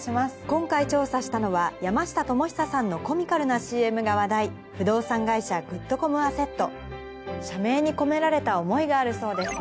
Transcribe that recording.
今回調査したのは山下智久さんのコミカルなＣＭが話題不動産会社グッドコムアセット社名に込められた思いがあるそうですね。